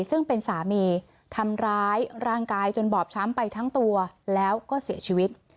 ซึ่งเป็นสามีทำร้ายร่างกายจนบอบช้ำไปทั้งตัวแล้วก็เสียชีวิต